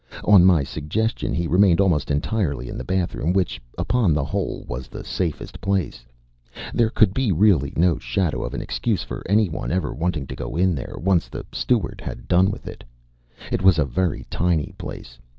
On my suggestion he remained almost entirely in the bathroom, which, upon the whole, was the safest place. There could be really no shadow of an excuse for anyone ever wanting to go in there, once the steward had done with it. It was a very tiny place.